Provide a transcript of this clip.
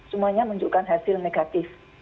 hanya menunjukkan hasil negatif